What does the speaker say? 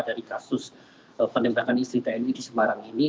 jadi kasus penembangan istri tni di semarang ini